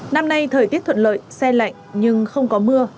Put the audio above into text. năm nay thời tiết thuận lợi xe lạnh nhưng không có mưa